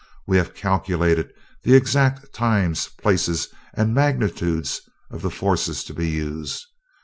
We have calculated the exact times, places, and magnitudes of the forces to be used.